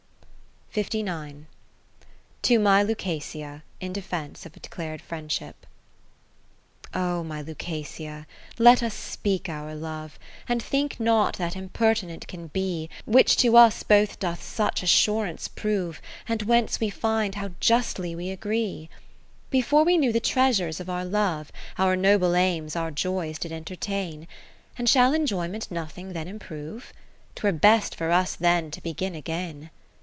To my Lucasia, in defence of declared Friendship I O MY Lucasia, let us speak our Love, And think not that impertinent can be, Which to us both doth such assurance prove. And whence we find how justly we agree. II Before we knew the treasures of our Love, Our noble aims our joys did entertain ; And shall enjoyment nothing then improve ? 'Twere best for us then to begin again.